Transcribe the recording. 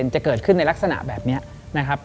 จะเกิดขึ้นในลักษณะแบบนี้นะครับ